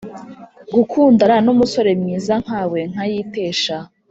gukundana numusore mwiza nkawe nkayitesha”